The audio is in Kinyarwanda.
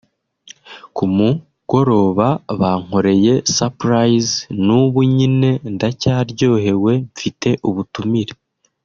ku mugoroba bankoreye surprise n’ubu nyine ndacyaryohewe mfite ubutumire